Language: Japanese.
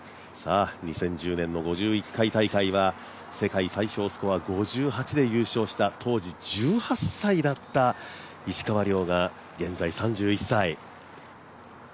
２０１０年の５１回大会は世界最小スコア５８で優勝した当時、１８歳だった石川遼が現在、３１歳。